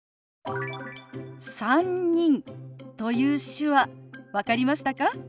「３人」という手話分かりましたか？